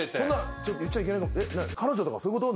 ちょっと言っちゃいけないかも。